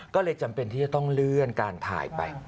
ก็เลยจำเป็นที่จะต้องเลื่อนการถ่ายไป